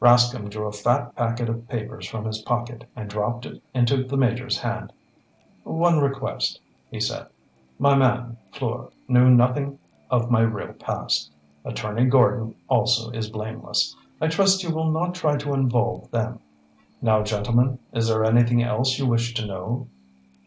Rascomb drew a fat packet of papers from his pocket and dropped it into the Major's hand. "One request," he said. "My man, Fleur, knew nothing of my real past. Attorney Gordon also is blameless. I trust you will not try to involve them. Now gentlemen, is there anything else you wish to know?"